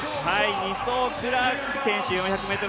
２走クラーク選手、４００ｍ